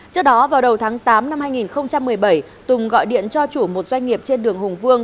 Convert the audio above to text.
trước đó vào đầu tháng tám năm hai nghìn một mươi bảy tùng gọi điện cho chủ một doanh nghiệp trên đường hùng vương